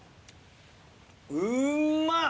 うんまっ！